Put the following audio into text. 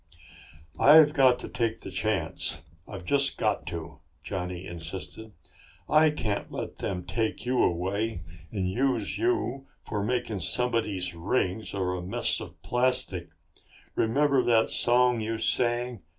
"I've got to take the chance. I've just got to!" Johnny insisted. "I can't let them take you away and use you for making somebody's rings or a mess of plastic. Remember that song you sang."